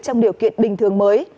trong điều kiện bình thường mới